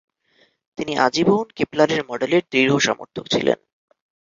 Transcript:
তিনি আজীবন কেপলারের মডেলের দৃঢ় সমর্থক ছিলেন।